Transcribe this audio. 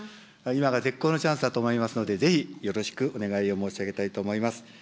今が絶好のチャンスだと思いますのでぜひ、よろしくお願いを申し上げたいと思います。